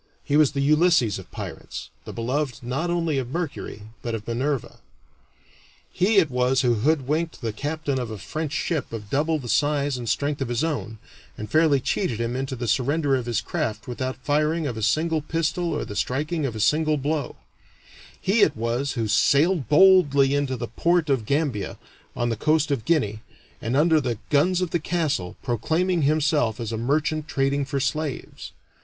He was the Ulysses of pirates, the beloved not only of Mercury, but of Minerva. He it was who hoodwinked the captain of a French ship of double the size and strength of his own, and fairly cheated him into the surrender of his craft without the firing of a single pistol or the striking of a single blow; he it was who sailed boldly into the port of Gambia, on the coast of Guinea, and under the guns of the castle, proclaiming himself as a merchant trading for slaves.